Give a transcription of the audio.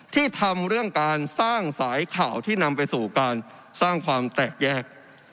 ที่ทำเรื่องการสร้างสายข่าวที่นำไปสู่การสร้างความแตกแยก